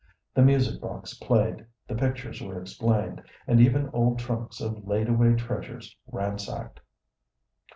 The music box played, the pictures were explained, and even old trunks of laid away treasures ransacked.